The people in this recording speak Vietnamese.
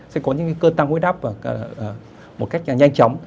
sẽ có những cái cơn tăng huyết áp một cách nhanh chóng